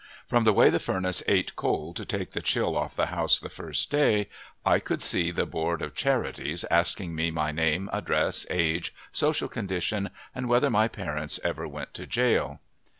From the way the furnace ate coal to take the chill off the house the first day, I could see the Board of Charities asking me my name, address, age, social condition and whether my parents ever went to jail.